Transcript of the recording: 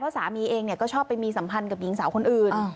สามีเองก็ชอบไปมีสัมพันธ์กับหญิงสาวคนอื่น